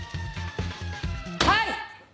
はい！